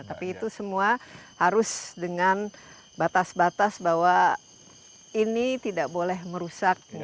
tapi itu semua harus dengan batas batas bahwa ini tidak boleh merusak